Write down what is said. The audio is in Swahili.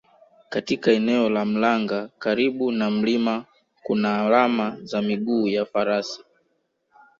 Katika eneo la Mlanga karibu na mlima kuna alama za miguu ya Farasi